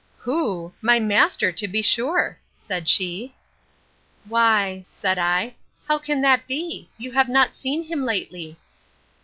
Who! my master, to be sure, said she. Why, said I, how can that be? You have not seen him lately.